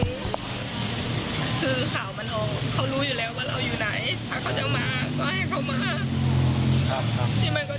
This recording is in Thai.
แล้วว่าเราอยู่ไหนถ้าเขาจะมาก็ให้เขามาครับครับนี่มัน